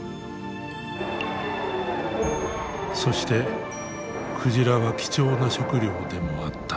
そして鯨は貴重な食料でもあった。